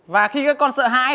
và khi các con sợ hãi